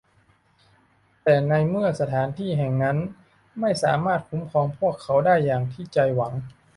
แต่ในเมื่อสถานที่แห่งนั้นไม่สามารถคุ้มครองพวกเขาได้อย่างที่ใจหวัง